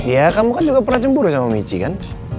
ya kamu kan juga pernah cemburu sama michi kan